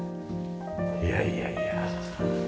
いやいやいや。